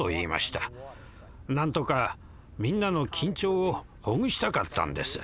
なんとかみんなの緊張をほぐしたかったんです。